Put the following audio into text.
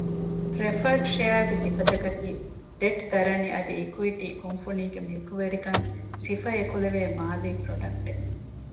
ޕްރެފަރޑް ޝެއަރގެ ސިފަތަކަކީ ޑެޓް ދަރަނި އަދި އިކުއިޓީ ކުންފުނީގެ މިލްކުވެރިކަން ސިފަ އެކުލެވޭ މާލީ ޕްރޮޑަކްޓެއް